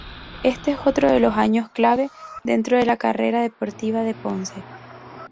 Este es otro de los años clave dentro de la carrera deportiva de Ponce.